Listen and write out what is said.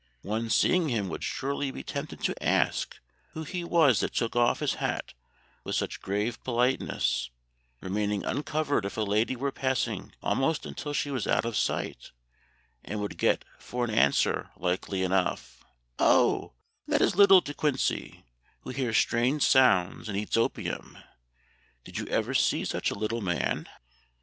One seeing him would surely be tempted to ask who he was that took off his hat with such grave politeness, remaining uncovered if a lady were passing almost until she was out of sight, and would get for an answer likely enough, 'Oh, that is little De Quincey, who hears strange sounds and eats opium. Did you ever see such a little man?